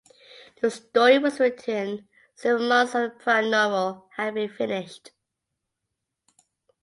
The story was written several months after the prior novel had been finished.